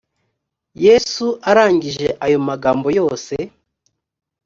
yesu arangije ayo magambo yose .